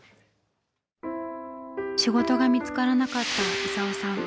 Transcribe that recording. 仕事が見つからなかった功さん。